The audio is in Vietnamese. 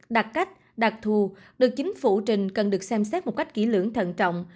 đặc cách đặc thù được chính phủ trình cần được xem xét một cách kỹ lưỡng thận trọng